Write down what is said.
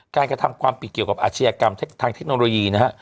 กระทำความผิดเกี่ยวกับอาชญากรรมทางเทคโนโลยีนะฮะ